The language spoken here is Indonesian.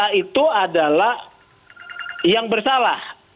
kpk itu adalah yang bersalah